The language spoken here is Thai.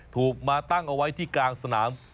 ถูกมาตั้งเอาไว้ที่กลางสนาม